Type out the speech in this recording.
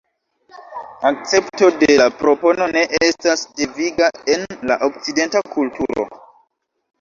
Akcepto de la propono ne estas deviga en la okcidenta kulturo.